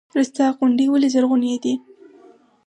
رستاق غونډۍ ولې زرغونې دي؟